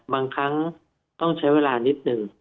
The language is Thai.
บางครั้งต้องใช้เวลานิดนึง